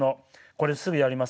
これすぐやります。